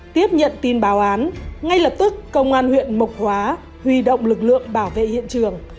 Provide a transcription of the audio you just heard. tiếp nhận tin báo án ngay lập tức công an huyện mộc hóa huy động lực lượng bảo vệ hiện trường